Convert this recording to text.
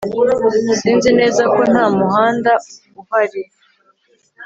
sinzi neza ko nta muhanda uhari